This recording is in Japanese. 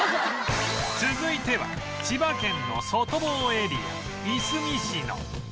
続いては千葉県の外房エリアいすみ市の